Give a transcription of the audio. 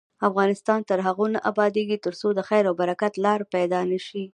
افغانستان تر هغو نه ابادیږي، ترڅو د خیر او برکت لاره پیدا نشي.